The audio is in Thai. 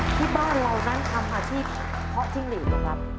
ที่บ้านเรานั้นทำอาชีพเพาะจิ้งหลีดนะครับ